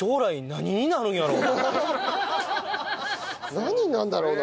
何になるんだろうな？